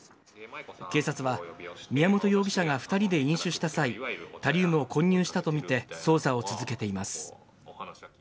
警察は宮本容疑者が２人で飲酒した際、タリウムを混入したと見て捜査を続けています。